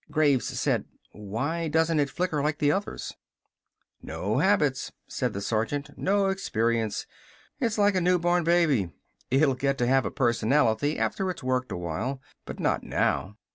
Graves said: "Why doesn't it flicker like the others?" "No habits," said the sergeant. "No experience. It's like a newborn baby. It'll get to have personality after it's worked a while. But not now."